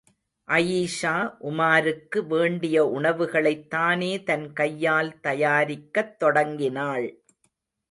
அயீஷா, உமாருக்கு வேண்டிய உணவுகளைத் தானே தன் கையால் தயாரிக்கத் தொடங்கினாள்.